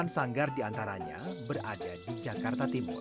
delapan sanggar diantaranya berada di jakarta timur